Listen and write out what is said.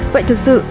vậy thực sự